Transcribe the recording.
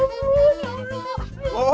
ya allah ya allah